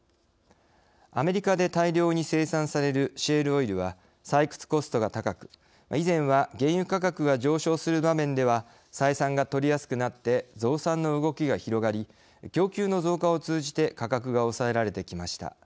アメリカで大量に生産されるシェールオイルは採掘コストが高く、以前は原油価格が上昇する場面では採算が取りやすくなって増産の動きが広がり供給の増加を通じて価格が抑えられてきました。